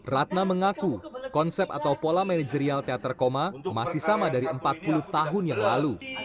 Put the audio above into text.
ratna mengaku konsep atau pola manajerial teater koma masih sama dari empat puluh tahun yang lalu